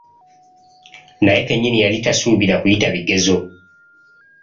Naye kennyini yali tasuubira kuyita bigezo!